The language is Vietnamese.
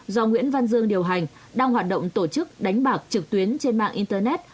do nguyễn văn dương điều hành đang hoạt động tổ chức đánh bạc trực tuyến trên mạng internet